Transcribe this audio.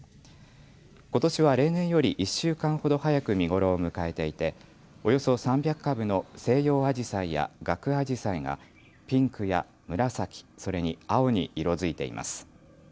ことしは例年より１週間ほど早く見頃を迎えていておよそ３００株のセイヨウアジサイやガクアジサイがピンクや紫、それに青に色づいています。